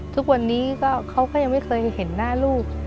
ทุกวันนี้เขาก็ยังไม่เคยเห็นหน้าลูก